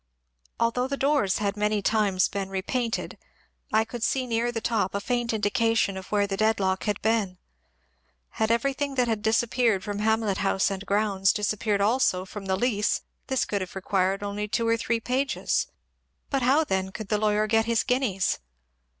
Although the doors had many times been re painted, I could see near the top a faint indication of where the deadlock had been. Had everything that had disap peared from Hamlet House and grounds disappeared also from the lease this could have required only two or three SIR CHARLES AND LADY DILKE 367 pages. But how then could the lawyer get his guineas